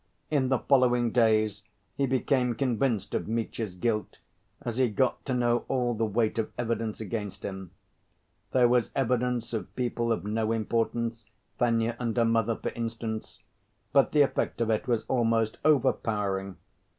In the following days he became convinced of Mitya's guilt, as he got to know all the weight of evidence against him. There was evidence of people of no importance, Fenya and her mother, for instance, but the effect of it was almost overpowering.